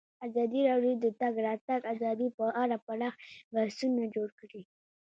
ازادي راډیو د د تګ راتګ ازادي په اړه پراخ بحثونه جوړ کړي.